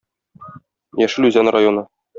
Яшел Үзән районы.